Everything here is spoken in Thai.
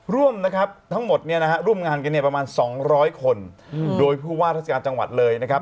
ร่วมทั้งหมดร่วมงานกันประมาณ๒๐๐คนโดยผู้ว่ารัฐกาลจังหวัดเลยนะครับ